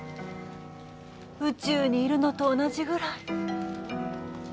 宇宙にいるのと同じぐらい。